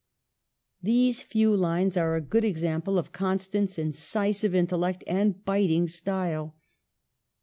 These few lines are a good example of Con stant's incisive intellect and biting style.